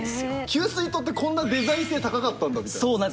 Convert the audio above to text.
給水塔ってこんなデザイン性高かったんだみたいな。